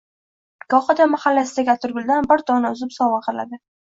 Gohida mahallasidagi atirguldan bir dona uzib, sovg`a qiladi